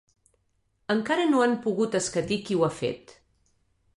Encara no han pogut escatir qui ho ha fet.